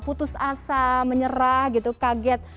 putus asa menyerah gitu kaget